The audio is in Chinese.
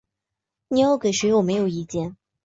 你要给谁我没有意见